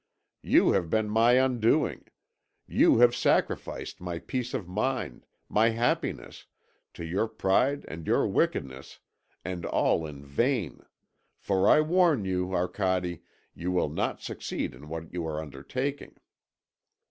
You have been my undoing. You have sacrificed my peace of mind, my happiness, to your pride and your wickedness, and all in vain; for I warn you, Arcade, you will not succeed in what you are undertaking."